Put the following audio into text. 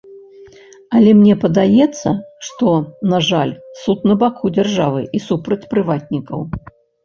Але мне падаецца, што, на жаль, суд на баку дзяржавы і супраць прыватнікаў.